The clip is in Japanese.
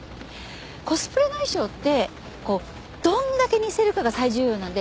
コスプレの衣装ってこうどんだけ似せるかが最重要なんで